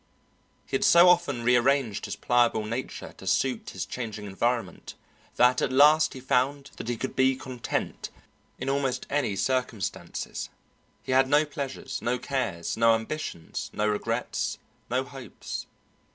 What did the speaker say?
He had so often rearranged his pliable nature to suit his changing environment that at last he found that he could be content in almost any circumstances. He had no pleasures, no cares, no ambitions, no regrets, no hopes.